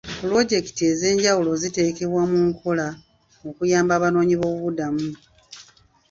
Puloojekiti ez'enjawulo ziteekebwa mu nkola okuyamba Abanoonyi b'obubudamu.